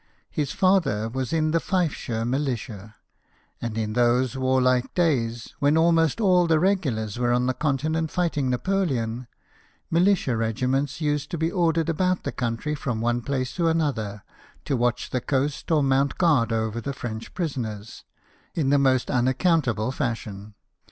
His father was in the Fifeshire militia, and in those warlike days, when almost all the regulars were on the Continent, fighting Napoleon, militia regiments used to be ordered about the country from one place to another, to watch the coast or mount guard over the French prisoners, in the most unaccountable fashion.